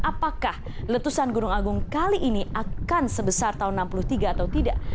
apakah letusan gunung agung kali ini akan sebesar tahun seribu sembilan ratus tiga atau tidak